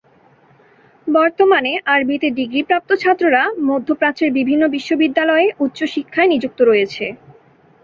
বর্তমানে আরবিতে ডিগ্রি প্রাপ্ত ছাত্ররা মধ্যপ্রাচ্যের বিভিন্ন বিশ্ববিদ্যালয়ে উচ্চ শিক্ষায় নিযুক্ত রয়েছে।